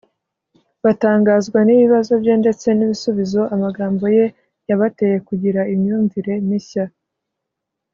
batangazwa n’ibibazo bye ndetse n’ibisubizo. Amagambo ye yabateye kugira imyumvire mishya